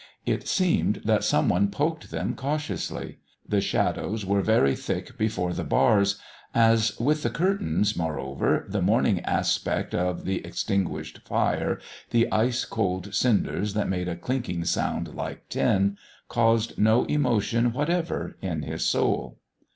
It seemed that some one poked them cautiously. The shadows were very thick before the bars. As with the curtains, moreover, the morning aspect of the extinguished fire, the ice cold cinders that made a clinking sound like tin, caused no emotion whatever in his soul.